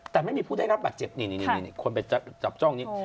แต่ไม่มีผู้ได้รับบาดเจ็บนี่คนไปจับจ้องนี้